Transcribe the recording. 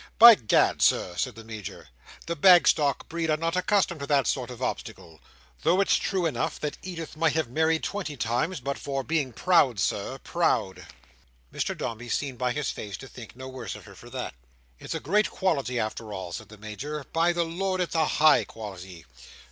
"By Gad, Sir," said the Major, "the Bagstock breed are not accustomed to that sort of obstacle. Though it's true enough that Edith might have married twenty times, but for being proud, Sir, proud." Mr Dombey seemed, by his face, to think no worse of her for that. "It's a great quality after all," said the Major. "By the Lord, it's a high quality!